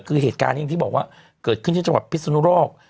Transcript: คือเหตุการณ์ที่บอกว่าเกิดขึ้นที่จังหวัดพิศนุรกษ์